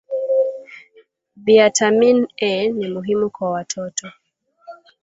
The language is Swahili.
viatamin A ni muhimu kwa watoto